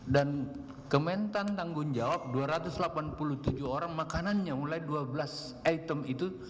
dan kementan tanggung jawab dua ratus delapan puluh tujuh orang makanannya mulai dua belas item itu